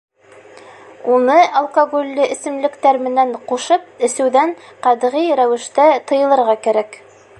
Уны алкоголле эсемлектәр менән ҡушып эсеүҙән ҡәтғи рәүештә тыйылырға кәрәк.